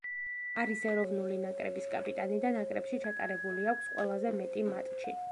არის ეროვნული ნაკრების კაპიტანი და ნაკრებში ჩატარებული აქვს ყველაზე მეტი მატჩი.